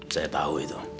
saya tahu itu